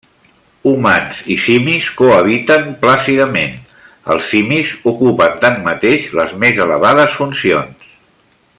Humans i simis cohabiten plàcidament, els simis ocupen tanmateix les més elevades funcions.